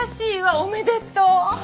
おめでとう。